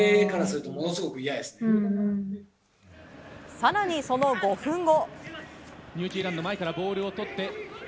更に、その５分後。